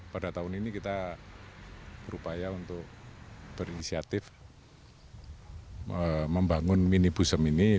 pada tahun ini kita berupaya untuk berinisiatif membangun mini bosem ini